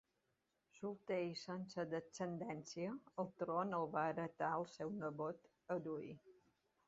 Solter i sense descendència, el tron el va heretar el seu nebot Eduí.